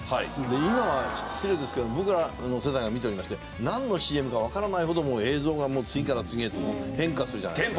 今は失礼ですけど僕らの世代が見ておりましてなんのＣＭかわからないほどもう映像が次から次へと変化するじゃないですか。